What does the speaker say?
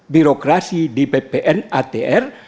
birokrasi di ppn atr